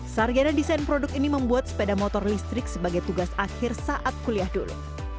sarjana desain produk ini membuat sepeda motor listrik sebagai tugas akhir saat kuliah dulu